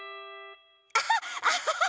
アハッアハハハ！